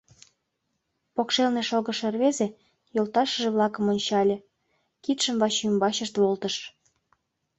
Покшелне шогышо рвезе йолташыже-влакым ончале, кидшым ваче ӱмбачышт волтыш.